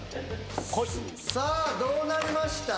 こいっさあどうなりました？